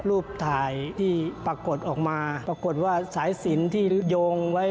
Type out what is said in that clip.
รูปถ่ายที่ปรากฏออกมาปรากฏว่าสายสินที่โยงไว้